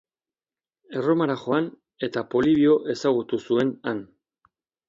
Erromara joan eta Polibio ezagutu zuen han.